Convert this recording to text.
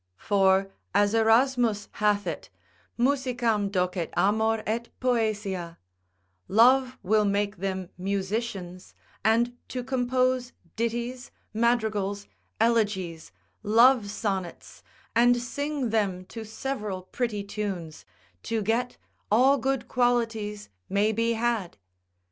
For as Erasmus hath it, Musicam docet amor et Poesia, love will make them musicians, and to compose ditties, madrigals, elegies, love sonnets, and sing them to several pretty tunes, to get all good qualities may be had.